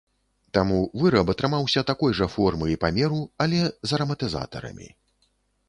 Таму выраб атрымаўся такой жа формы і памеру, але з араматызатарамі.